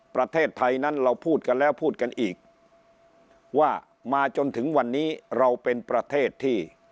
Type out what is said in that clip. ประเทศไทยนั้นเราพูดกันแล้วพูดกันอีกว่ามาจนถึงวันนี้เราเป็นประเทศที่